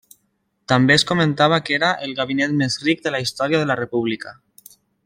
També es comentava que era el gabinet més ric de la història de la República.